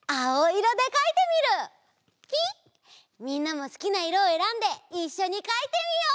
みんなもすきないろをえらんでいっしょにかいてみよう！